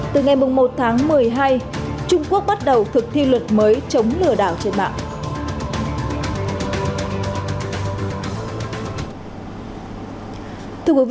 từ ngày một tháng một mươi hai trung quốc bắt đầu thực thi luật mới chống lừa đảo trên mạng